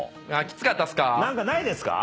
きつかったっすか。